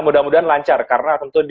mudah mudahan lancar karena tentu